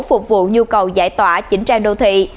phục vụ nhu cầu giải tỏa chỉnh trang đô thị